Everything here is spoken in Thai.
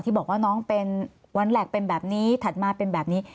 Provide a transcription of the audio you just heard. บอกว่าน้องเป็นวันแรกเป็นแบบนี้ถัดมาเป็นแบบนี้